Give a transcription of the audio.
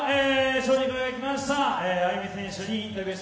勝利に輝きました